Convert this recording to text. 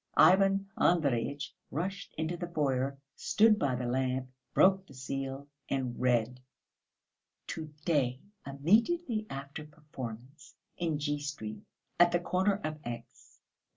Ivan Andreyitch rushed into the foyer, stood by the lamp, broke the seal and read: "To day immediately after the performance, in G. Street at the corner of X.